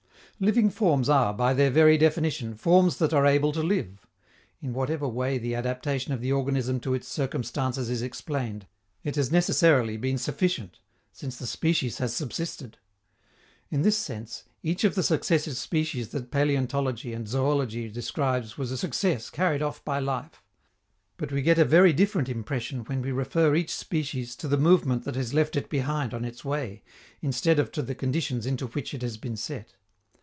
Living forms are, by their very definition, forms that are able to live. In whatever way the adaptation of the organism to its circumstances is explained, it has necessarily been sufficient, since the species has subsisted. In this sense, each of the successive species that paleontology and zoology describes was a success carried off by life. But we get a very different impression when we refer each species to the movement that has left it behind on its way, instead of to the conditions into which it has been set.